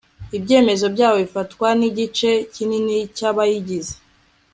ibyemezo byabo bifatwa n igice kininbi cy abayigize